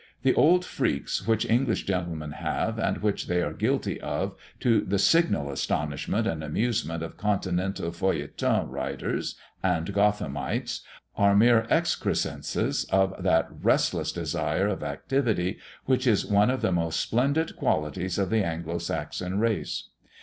The odd freaks which English gentlemen have, and which they are guilty of, to the signal astonishment and amusement of continental feuilleton writers and Gothamites, are mere excrescences of that restless desire of activity which is one of the most splendid qualities of the Anglo Saxon race.